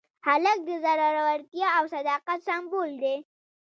هلک د زړورتیا او صداقت سمبول دی.